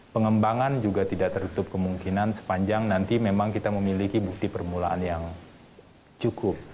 pengembangan juga tidak tertutup kemungkinan sepanjang nanti memang kita memiliki bukti permulaan yang cukup